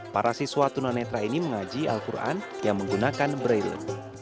para siswa tunanetra ini mengaji al quran yang menggunakan braille